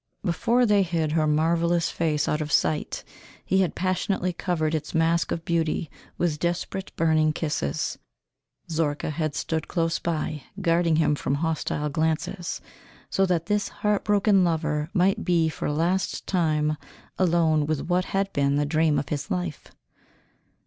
Before they hid her marvellous face out of sight he had passionately covered its mask of beauty with desperate burning kisses. Zorka had stood close by, guarding him from hostile glances, so that this heartbroken lover might be for a last time alone with what had been the dream of his life.